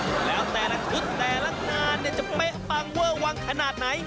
แล้วแต่ละทุษแต่ละหน้าจะเป๊ะปังเว้อวางขนาดไหน